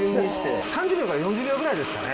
３０秒から４０秒ぐらいですかね。